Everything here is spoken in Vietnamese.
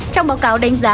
trong báo cáo đánh giá